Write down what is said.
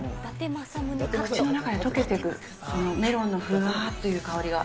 口の中で溶けていく、メロンのふわっていう香りが。